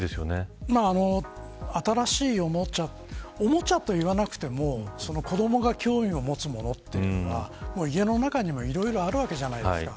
新しいおもちゃおもちゃと言わなくても子どもが興味を持つものというのは家の中にはいろいろあるわけじゃないですか。